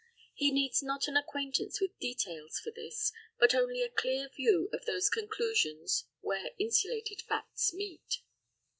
He needs not an acquaintance with details for this, but only a clear view of those conclusions where insulated facts meet.